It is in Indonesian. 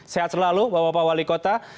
sehat selalu bapak wali kota